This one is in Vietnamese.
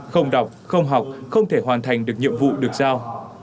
không đọc không học không thể hoàn thành được nhiệm vụ được giao